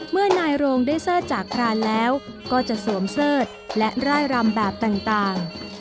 เมื่อนายโรงได้เสิร์ชจากพรานแล้วก็จะสวมเสิร์ธและร่ายรำแบบต่าง